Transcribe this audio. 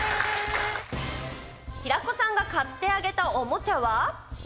平子さんが買ってあげたおもちゃは？